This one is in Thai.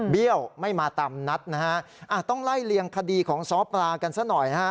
ี้ยวไม่มาตามนัดนะฮะต้องไล่เลียงคดีของซ้อปลากันซะหน่อยนะฮะ